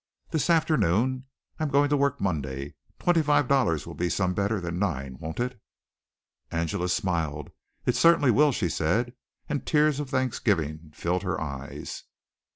"This afternoon. I'm going to work Monday. Twenty five dollars will be some better than nine, won't it?" Angela smiled. "It certainly will," she said, and tears of thanksgiving filled her eyes.